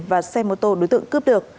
và xe mô tô đối tượng cướp được